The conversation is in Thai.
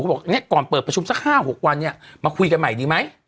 บอกเนี่ยก่อนเปิดประชุมสัก๕๖วันเนี่ยมาคุยกันใหม่ดีไหม